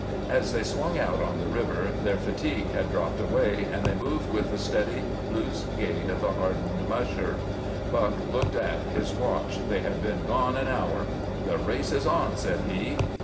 As they swung out on to the river their fatigue had dropped away and they moved with the steady, loose gait of the hardened "musher." Buck looked at his watch. They had been gone an hour. "The race is on!" said he.